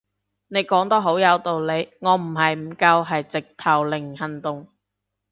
你講得好有道理，我唔係唔夠係直頭零行動